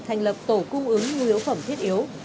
thành lập tổ cung ứng nhu yếu phẩm thiết yếu